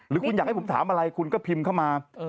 หรือคุณอยากให้ผมถามอะไรคุณก็พิมพ์เข้ามา